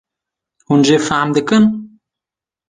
hûn jê fehm dikin